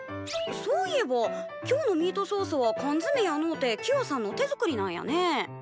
そういえば今日のミートソースはかんづめやのうてキヨさんの手作りなんやね。